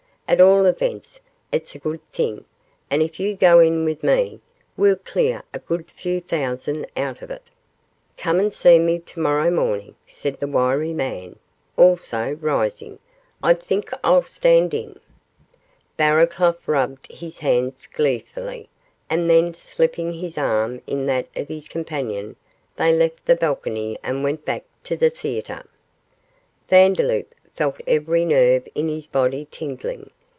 'At all events, it's a good thing, and if you go in with me, we'll clear a good few thousand out of it.' 'Come and see me to morrow morning,' said the wiry man, also rising. 'I think I'll stand in.' Barraclough rubbed his hands gleefully, and then slipping his arm in that of his companion they left the balcony and went back to the theatre. Vandeloup felt every nerve in his body tingling.